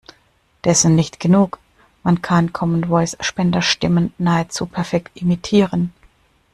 Dessen nicht genug: Man kann Common Voice Spenderstimmen nahezu perfekt imitieren.